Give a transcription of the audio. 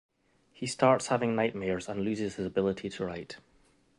He starts having nightmares and loses his ability to write.